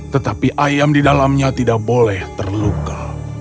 tetapi ayam di dalamnya tidak boleh terluka